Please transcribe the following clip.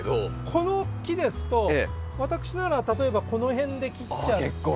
この木ですと私なら例えばこの辺で切っちゃって。